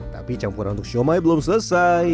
tapi campuran untuk siomay belum selesai